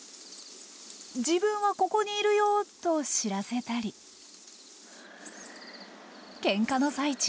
「自分はここにいるよ！」と知らせたりケンカの最中